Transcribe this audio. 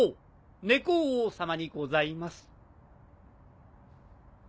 猫王様にございます。